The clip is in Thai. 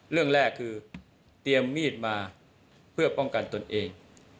เรื่องแรกคือเตรียมมีดมาเพื่อป้องกันตนเอง